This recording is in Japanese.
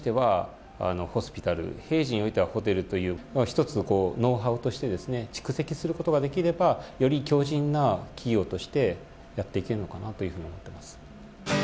有事におきましては、ホスピタル平時のおいてはホテルという一つのノウハウとして蓄積することができればより強靱な企業としてやっていけるのかな